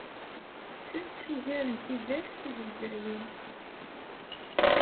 Ttett ugar n tidal tizegzawin.